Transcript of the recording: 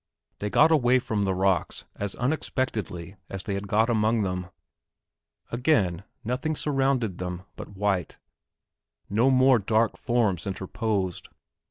They got away from the rocks as unexpectedly as they had got among them. Again, nothing surrounded them but white, no more dark forms interposed.